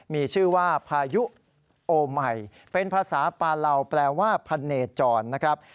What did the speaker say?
มีชื่อว่าพายุโอใหม่เป็นภาษาปาเหล่าแปลว่าพะเนจรนะครับ